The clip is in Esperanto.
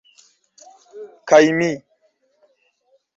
Kaj mi